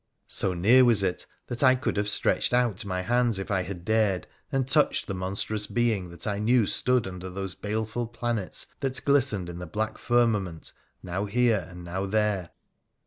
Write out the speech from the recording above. So near was it that I could have stretched out my hands if I had dared and touched the monstrous being that I knew stood under those baleful planets that glistened in the black firmament, now here and now there.